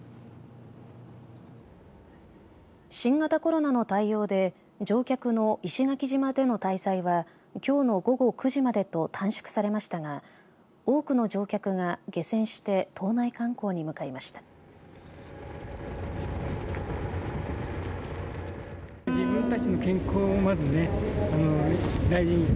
新型コロナの対応で乗客の石垣島での滞在はきょうの午後９時までと短縮されましたが多くの乗客が下船して島内観光に向かいました。